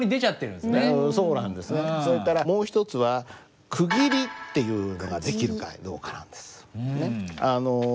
それからもう一つは「区切り」っていうのができるかどうかなんです。